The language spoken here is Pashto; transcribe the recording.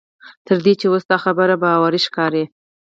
تر دې چې اوس دا خبره باوري ښکاري.